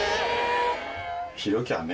「広きゃね」。